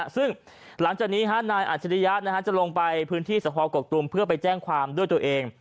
ซึ่งหลังจากนี้นายอัจฉริยะจะลงไปพื้นที่สะพอกกตูมเพื่อไปแจ้งความด้วยตัวเอง